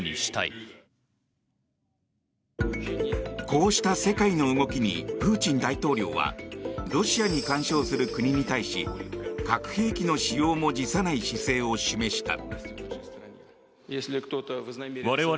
こうした世界の動きにプーチン大統領はロシアに干渉する国に対し核兵器の使用も辞さない姿勢を示した。